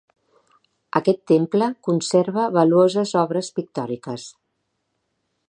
Aquest temple conserva valuoses obres pictòriques.